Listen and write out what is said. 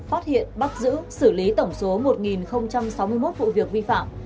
phát hiện bắt giữ xử lý tổng số một sáu mươi một vụ việc vi phạm